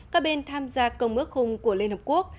các bên tham gia công ước khung của liên hợp quốc